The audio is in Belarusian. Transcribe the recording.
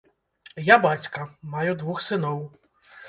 Я бацька, маю двух сыноў.